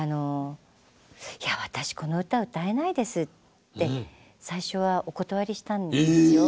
「いや私この歌を歌えないです」って最初はお断りしたんですよ。